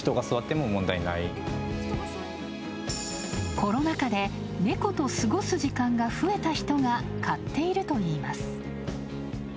コロナ禍でネコと過ごす時間が増えた人が買っているといいます。